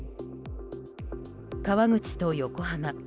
川口と横浜。